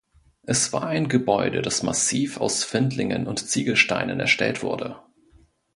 Es war ein Gebäude, das massiv aus Findlingen und Ziegelsteinen erstellt wurde.